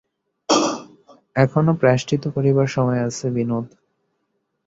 এখনো প্রায়শ্চিত্ত করিবার সময় আছে, বিনোদ।